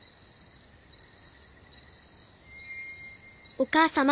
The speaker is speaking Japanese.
「お母様。